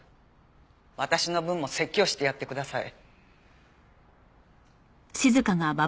私の分も説教してやってください。